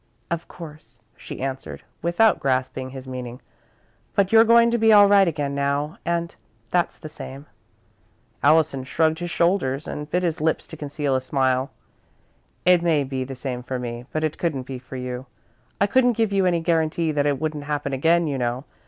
"Of course," she answered, without grasping his meaning, "but you're going to be all right again now, and that's the same." Allison shrugged his shoulders and bit his lips to conceal a smile. "It may be the same for me, but it couldn't be for you. I couldn't give you any guarantee that it wouldn't happen again, you know.